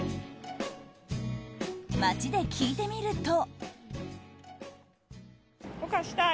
街で聞いてみると。